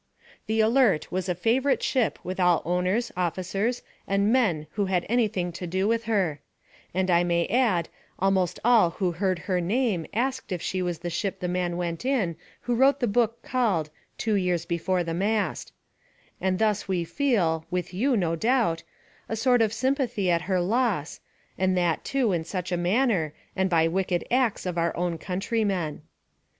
The Alert was a favorite ship with all owners, officers, and men who had anything to do with her; and I may add almost all who heard her name asked if that was the ship the man went in who wrote the book called "Two Years before the Mast"; and thus we feel, with you, no doubt, a sort of sympathy at her loss, and that, too, in such a manner, and by wicked acts of our own countrymen.